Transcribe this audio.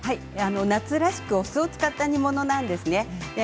夏らしくお酢を使った煮物なんですね。